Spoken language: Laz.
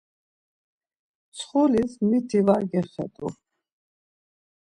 Mtsxulis miti var gexet̆u.